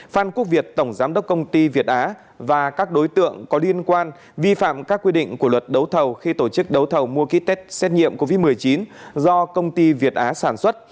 phan quốc việt tổng giám đốc công ty việt á và các đối tượng có liên quan vi phạm các quy định của luật đấu thầu khi tổ chức đấu thầu mua ký test xét nghiệm covid một mươi chín do công ty việt á sản xuất